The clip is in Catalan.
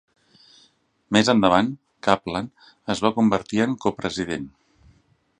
Més endavant, Kaplan es va convertir en copresident.